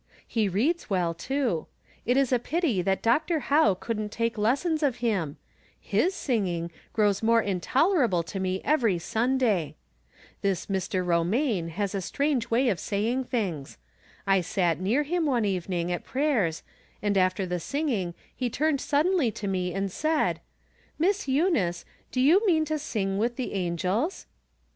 He reads well, too. It is a pity that Dr. Howe couldn't take lessons ■ of him — his singing grows more intolerable to me every Sunday. This Mr. Romaine has a strange From Different Standpoints. 15 "way of saying things. I sat near him, one even ing, at prayers, and, after the singing, he turned suddenly to me, and said :■" Miss Eunice, do you mean to sing with the angels